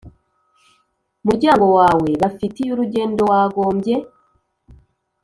muryango wawe bafitiye urugendo Wagombye